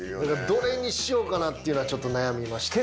どれにしようかなっていうのはちょっと悩みました。